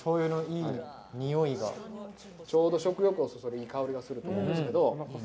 ちょうど食欲をそそるいいかおりがすると思います。